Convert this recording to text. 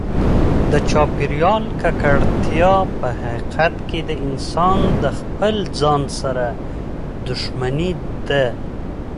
د چاپیریال ککړتیا په حقیقت کې د انسان د خپل ځان سره دښمني ده.